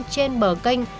trên bờ canh